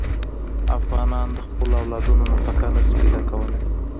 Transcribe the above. افغانان د خپلو اولادونو نفقه نه شي پیدا کولی.